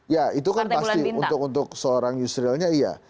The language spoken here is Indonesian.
ya itu kan pasti untuk seorang yusrilnya iya